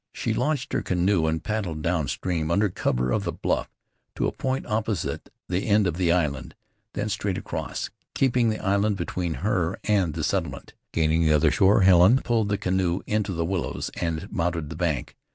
She launched her canoe and paddled down stream, under cover of the bluff, to a point opposite the end of the island, then straight across, keeping the island between her and the settlement. Gaining the other shore, Helen pulled the canoe into the willows, and mounted the bank.